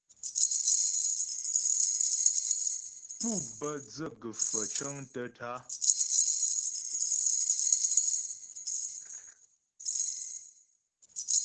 Pú bə́ dzə gə̀faə̀ cəŋtə́ tǎ'a.